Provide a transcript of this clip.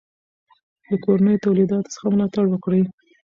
د کورنیو تولیداتو څخه ملاتړ وکړئ.